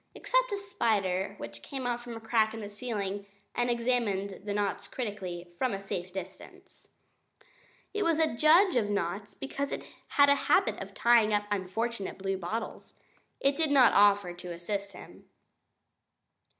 Except a spider who came out of a crack in the ceiling and examined the knots critically, from a safe distance. It was a judge of knots because it had a habit of tying up unfortunate bluebottles. It did not offer to assist him.